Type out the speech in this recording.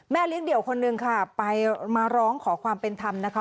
เลี้ยงเดี่ยวคนหนึ่งค่ะไปมาร้องขอความเป็นธรรมนะคะ